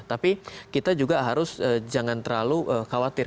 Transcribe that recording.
tapi kita juga harus jangan terlalu khawatir